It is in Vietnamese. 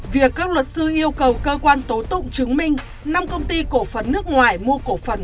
việc các luật sư yêu cầu cơ quan tố tụng chứng minh năm công ty cổ phần nước ngoài mua cổ phần